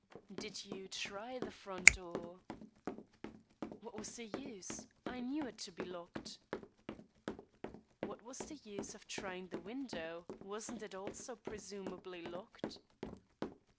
"Did you try the front door?" "What was the use? I knew it to be locked." "What was the use of trying the window? Wasn't it also, presumably, locked?"